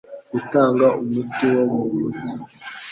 Gutanga umuti wo mu mutsi